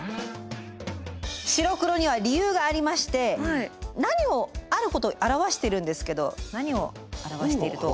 白黒には理由がありましてあることを表しているんですけど何を表しているとお二人。